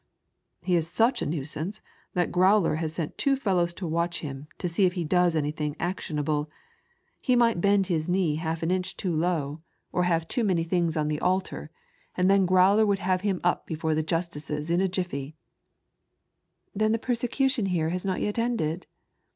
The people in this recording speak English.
"He is such a nuisance that Growler has set two ^fellows to watch him to see if he does anything ictionable ; he might bend Ms knee half an inch too low or have too many things od the altar, and then Growler would have him up hefore the juatieea in a " Then the persecution here hag not yet ended?"